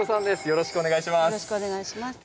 よろしくお願いします。